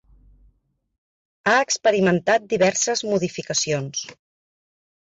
Ha experimentat diverses modificacions.